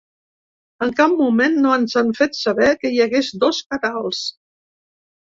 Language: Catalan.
En cap moment no ens han fet saber que hi hagués dos canals.